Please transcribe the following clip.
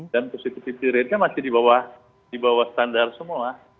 dan positifisirannya masih di bawah standar semua